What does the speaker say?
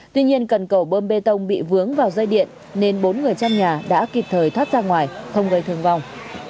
tuy nhiên cần cầu bơm bê tông bị vướng vào dây điện nên bốn người trong nhà đã kịp thời thoát ra ngoài không gây thương vong